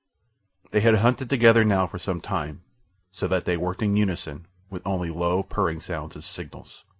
They had hunted together now for some time, so that they worked in unison, with only low, purring sounds as signals.